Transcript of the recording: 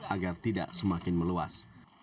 agar tidak semakin meluas